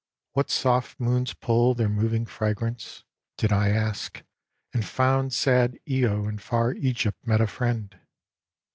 What soft moons pull Their moving fragrance? did I ask, and found Sad lo in far Egypt met a friend.